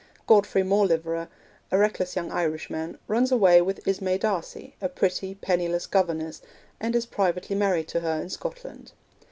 Godfrey Mauleverer, a reckless young Irishman, runs away with Ismay D'Arcy, a pretty, penniless governess, and is privately married to her in Scotland.